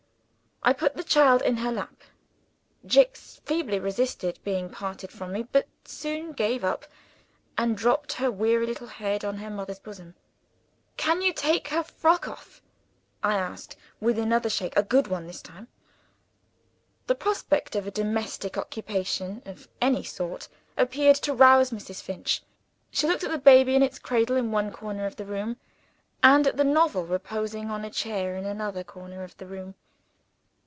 I put the child in her lap. Jicks feebly resisted being parted from me; but soon gave up, and dropped her weary little head on her mother's bosom. "Can you take off her frock?" I asked, with another shake a good one, this time. The prospect of a domestic occupation (of any sort) appeared to rouse Mrs. Finch. She looked at the baby, in its cradle in one corner of the room, and at the novel, reposing on a chair in another corner of the room.